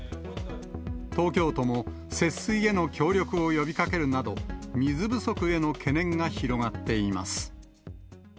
東京都も節水への協力を呼びかけるなど、水不足への懸念が広がっています。